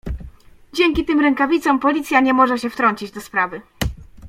"Dzięki tym rękawicom policja nie może się wtrącić do sprawy."